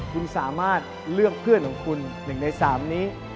คุณสามารถเลือกเพื่อนของคุณ๑ใน๓นี้